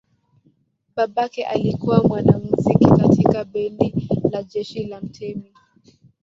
Babake alikuwa mwanamuziki katika bendi la jeshi la mtemi.